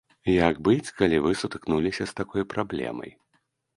Як быць, калі вы сутыкнуліся з такой праблемай?